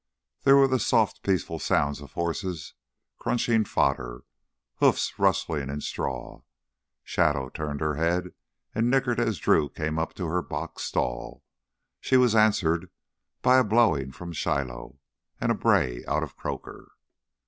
There were the soft peaceful sounds of horses crunching fodder, hoofs rustling in straw. Shadow turned her head and nickered as Drew came up to her box stall. She was answered by a blowing from Shiloh, a bray out of Croaker.